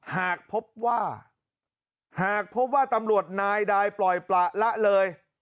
หากพบว่าหากพบว่าตำรวจนายใดปล่อยประละเลย